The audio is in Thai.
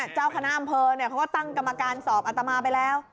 เจ้าคณะอำเภอเขาก็ตั้งกรรมการสอบอัตมาไปแล้ว